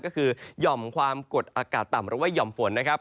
ก็คือหย่อมความกดอากาศต่ำหรือว่าหย่อมฝนนะครับ